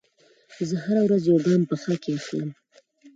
زه هره ورځ یو ګام په ښه کې اخلم.